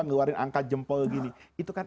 ngeluarin angka jempol gini itu kan